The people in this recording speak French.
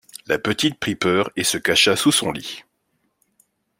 La petite prit peur et se cacha sous son lit.